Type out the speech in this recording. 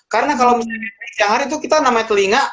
karena kalau misalnya di siang hari itu kita namanya telinga